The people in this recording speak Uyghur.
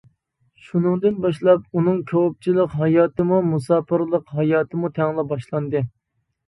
شۇنىڭدىن باشلاپ، ئۇنىڭ كاۋاپچىلىق ھاياتىمۇ، مۇساپىرلىق ھاياتىمۇ تەڭلا باشلاندى.